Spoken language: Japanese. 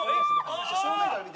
正面から見て。